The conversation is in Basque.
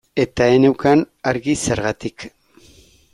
Eta ez neukan argi zergatik.